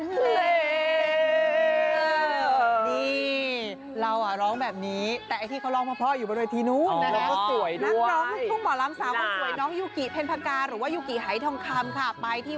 ดี่เราอะไรร้องแบบนี้แต่ที่คำลองพออยู่มาโดยที่นู้นสวยด้วยน๊องยุคคี้เต็มพะกานหรือว่ายุคคี้ไถ้ต้องคำค่ะไปที่